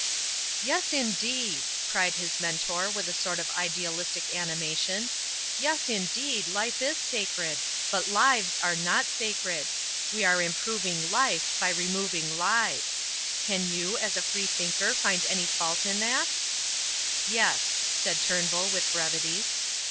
"Yes, indeed!" cried his mentor with a sort of idealistic animation. "Yes, indeed! Life is sacred but lives are not sacred. We are improving Life by removing lives. Can you, as a free thinker, find any fault in that?" "Yes," said Turnbull with brevity.